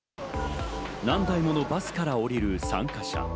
何台ものバスから降りる参加者。